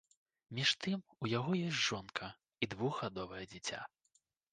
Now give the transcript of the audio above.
Між тым, у яго ёсць жонка і двухгадовае дзіця.